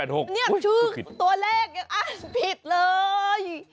นี่ชื่อตัวแรกอ้าวผิดเลย